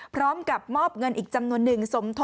พร้อมกับมอบเงินอีกจำนวนหนึ่ง